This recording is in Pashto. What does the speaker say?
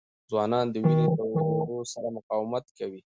ځوانان د وینې د تویېدو سره مقاومت کوي.